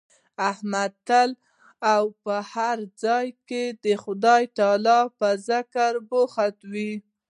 احمد تل او په هر ځای کې د خدای تعالی په ذکر بوخت وي.